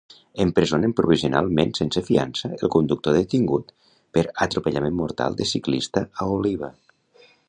Empresonen provisionalment sense fiança el conductor detingut per atropellament mortal de ciclista a Oliva